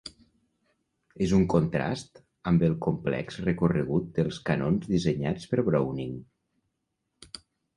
Es un contrast amb el complex recorregut dels canons dissenyats per Browning.